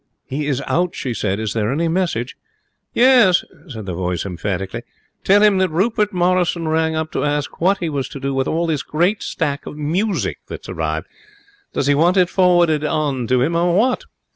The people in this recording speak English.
'He is out,' she said. 'Is there any message?' 'Yes,' said the voice, emphatically. 'Tell him that Rupert Morrison rang up to ask what he was to do with all this great stack of music that's arrived. Does he want it forwarded on to him, or what?'